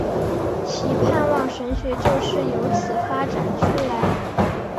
其盼望神学就是有此发展出来。